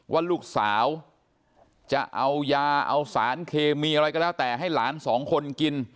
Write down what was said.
ว่าลูกสาวจะเอายาเอาสารเคมีอะไรก็แล้วแต่ให้หลานสองคนกิน